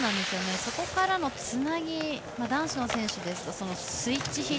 そこからのつなぎが男子の選手ですとかスイッチ